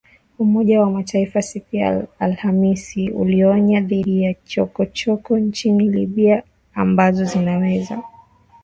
Umoja wa Mataifa siku ya Alhamis ulionya dhidi ya “chokochoko” nchini Libya ambazo zinaweza kusababisha mapigano